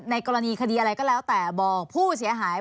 กรณีคดีอะไรก็แล้วแต่บอกผู้เสียหาย